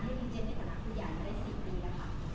ไม่ได้๔ปีนะคะ